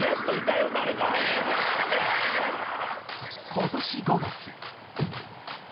そういうこと言わないでください。